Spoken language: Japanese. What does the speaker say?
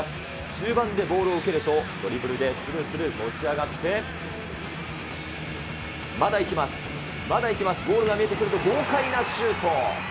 中盤でボールを受けると、ドリブルでするすると持ち上がって、まだ行きます、まだいきます、ゴールが見えてくると豪快なシュート。